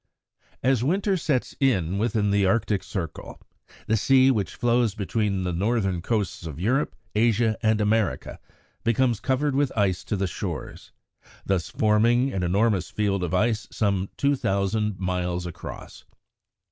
As winter sets in within the Arctic Circle, the sea which flows between the northern coasts of Europe, Asia, and America becomes covered with ice to the shores, thus forming an enormous field of ice some two thousand miles across.